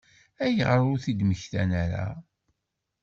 Ayɣer ur t-id-mmektan ara?